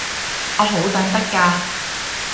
我好等得㗎